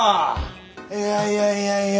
いやいやいやいや。